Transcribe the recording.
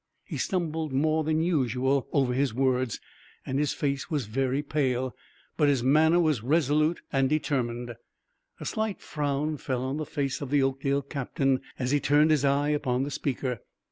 He stumbled more than usual over his words, and his face was very pale; but his manner was resolute and determined. A slight frown fell on the face of the Oakdale captain as he turned his eyes upon the speaker.